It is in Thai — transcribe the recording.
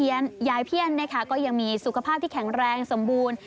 ยายเพี้ยนนะคะก็ยังมีสุขภาพที่แข็งแรงสมบูรณ์